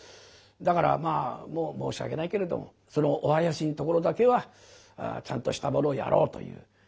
だからまあ申し訳ないけれどそのお囃子のところだけはちゃんとしたものをやろうという。